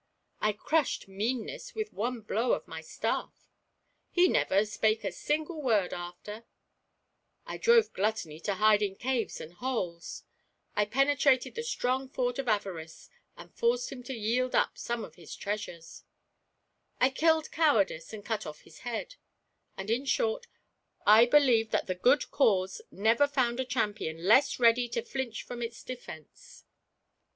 " I crushed Meanness with one blow of my staff — ^he never spake a single word after; I drove Gluttony to hide in caves and holes; I penetrated the strong fort of Avaiice, and forced him to yield up some of his trea sures; I killed Cowardice, and cut off his head; and, in short, I believe that the good cause never found a cham pion less ready to flinch from its defence."